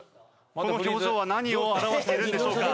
この表情は何を表しているんでしょうか？